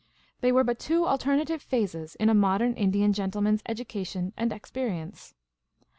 They were but two alternative phases in a modern Indian gentleman's education and experience.